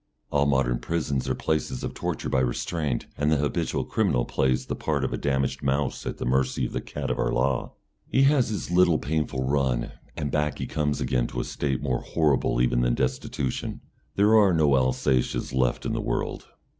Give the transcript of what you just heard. All modern prisons are places of torture by restraint, and the habitual criminal plays the part of a damaged mouse at the mercy of the cat of our law. He has his little painful run, and back he comes again to a state more horrible even than destitution. There are no Alsatias left in the world.